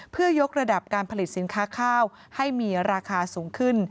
เพื่อยกระดับการผลิตสินค้าข้าวให้มีราคาสูงขึ้น